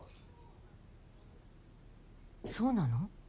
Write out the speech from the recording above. そうなの？